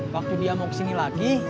waktu dia mau kesini lagi